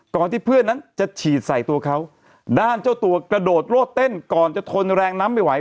ที่เพื่อนนั้นจะฉีดใส่ตัวเขาด้านเจ้าตัวกระโดดโรดเต้นก่อนจะทนแรงน้ำไม่ไหว